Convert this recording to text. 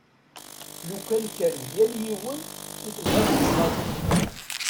Lukan kan yal yiwen iletha d lecɣal-is.